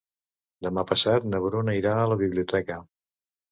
Demà passat na Bruna irà a la biblioteca.